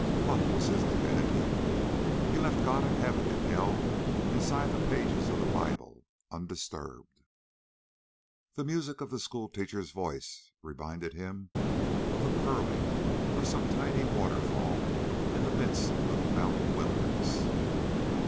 Luck was his divinity. He left God and heaven and hell inside the pages of the Bible, undisturbed. The music of the schoolteacher's voice reminded him of the purling of some tiny waterfall in the midst of a mountain wilderness.